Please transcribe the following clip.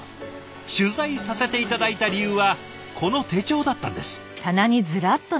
取材させて頂いた理由はこの手帳だったんです。